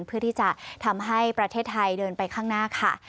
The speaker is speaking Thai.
เพื่อที่จะทำให้ประเทศไทยเดินไปข้างหน้าค่ะ